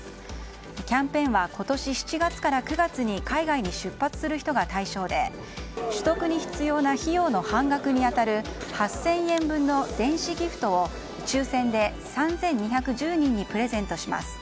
キャンペーンは今年７月から９月に海外に出発する人が対象で取得に必要な費用の半額に当たる８０００円分の電子ギフトを抽選で３２１０人にプレゼントします。